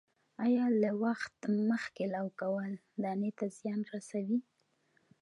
آیا له وخت مخکې لو کول دانې ته زیان رسوي؟